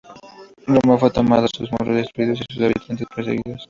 Roma fue tomada, sus muros destruidos y sus habitantes perseguidos.